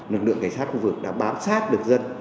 lực lượng cảnh sát khu vực đã bám sát được dân